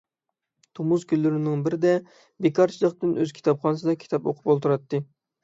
تومۇز كۈنلىرىنىڭ بىرىدە، بىكارچىلىقتىن ئۆز كۇتۇپخانىسىدا كىتاب ئوقۇپ ئولتۇراتتى.